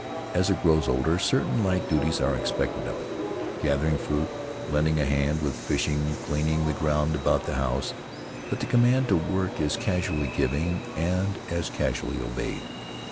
As it grows older certain light duties are expected of it — gathering fruit, lending a hand with fishing, cleaning the ground about the house — but the command to work is casually given and as casually obeyed.